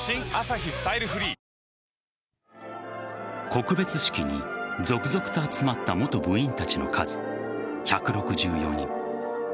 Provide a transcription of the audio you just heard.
告別式に続々と集まった元部員たちの数１６４人。